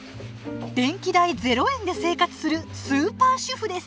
電気代０円で生活するスーパー主婦です。